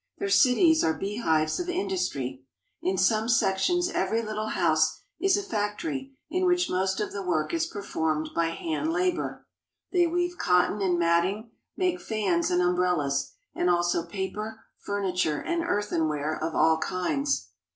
Their cities are bee hives of industry. In some sections every little house is a factory in which most of the work is performed by hand labor. They weave cotton and matting, make fans and umbrellas, and also paper, furniture, and earthenware of all kinds.